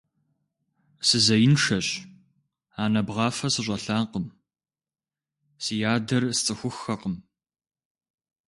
Сызеиншэщ, анэ бгъафэ сыщӀэлъакъым, си адэр сцӀыхуххэкъым.